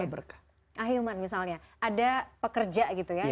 berkah akhir akhir misalnya ada pekerja gitu ya alhamdulillah